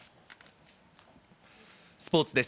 スポーツです。